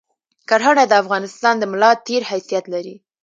کرهنه د افغانستان د ملاتیر حیثیت لری